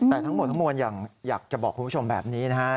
แต่ทั้งหมดทั้งมวลอยากจะบอกคุณผู้ชมแบบนี้นะฮะ